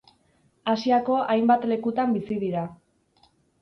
Asiako hainbat lekutan bizi dira.